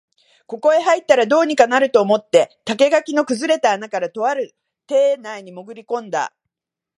ここへ入ったら、どうにかなると思って竹垣の崩れた穴から、とある邸内にもぐり込んだ